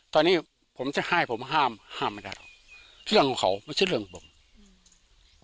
ตอนนี้ผมจะให้ผมห้ามห้ามไม่ได้หรอกเรื่องของเขาไม่ใช่เรื่องของผมอืม